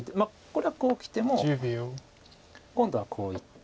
これはこうきても今度はこういって。